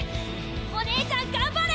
お姉ちゃん頑張れ！